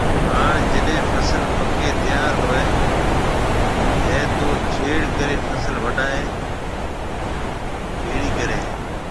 ھاڻ جڏي فصل پڪيَ تيار ھوئيَ ھيََََ تو ڇيڙ ڪرَي فصل وڊائيَ ڀيڙِي ڪرَي ھيََََ